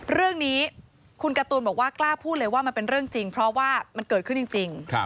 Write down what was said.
เรื่องนี้คุณการ์ตูนบอกว่ากล้าพูดเลยว่ามันเป็นเรื่องจริงเพราะว่ามันเกิดขึ้นจริง